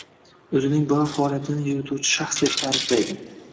o‘zining biror faoliyatini yurituvchi shaxs» deb ta’riflaydi